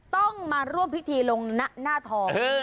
ต้องมาร่วมพิธีลงหน้าทอง